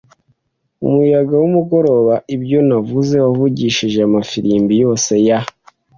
umuyaga wumugoroba, ibyo navuze, wavugije amafirimbi yose ya